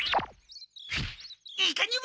いかにも！